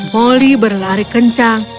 moli berlari kencang